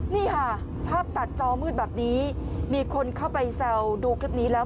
นี่ค่ะภาพตัดจอมืดแบบนี้มีคนเข้าไปแซวดูคลิปนี้แล้ว